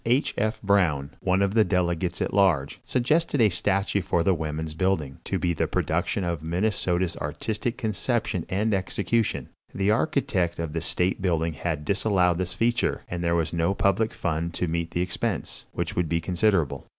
H. F. Brown, one of the delegates at large, suggested a statue for the Woman's Building, to be the production of Minnesota's artistic conception and execution. The architect of the state building had disallowed this feature, and there was no public fund to meet the expense, which would be considerable.